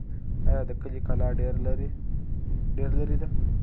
آیا د کلي کلا ډېر لرې ده؟